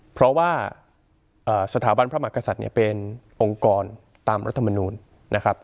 เพราะว่าสถาบันพระมหากษัตริย์เนี่ยเป็นองค์กรตามรัฐมนูลนะครับ